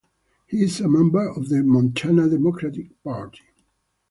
He is a member of the Montana Democratic Party.